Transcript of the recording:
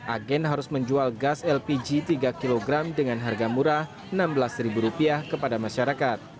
agen harus menjual gas lpg tiga kg dengan harga murah rp enam belas kepada masyarakat